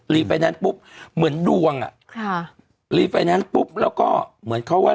ไฟแนนซ์ปุ๊บเหมือนดวงอ่ะค่ะรีไฟแนนซ์ปุ๊บแล้วก็เหมือนเขาว่า